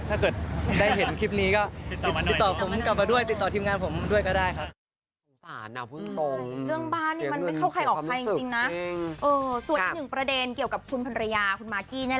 ถ้าเกิดได้เห็นคลิปนี้ก็ติดต่อผมกลับมาด้วยติดต่อทีมงานผมด้วยก็ได้ครับ